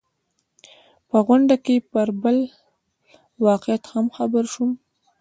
په غونډه کې پر بل واقعیت هم خبر شوم.